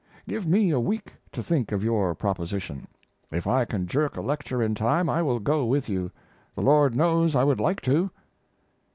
Give me a week to think of your proposition. If I can jerk a lecture in time I will go with you. The Lord knows I would like to.